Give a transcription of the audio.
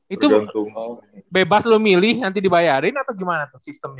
itu bebas loh milih nanti dibayarin atau gimana tuh sistemnya